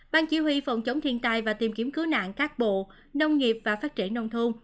ban chỉ huy phòng chống thiên tai và tìm kiếm cứu nạn các bộ nông nghiệp và phát triển nông thôn